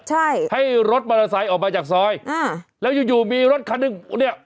ใช่ให้รถมอเตอร์ไซค์ออกมาจากซอยอ่าแล้วอยู่อยู่มีรถคันหนึ่งเนี้ย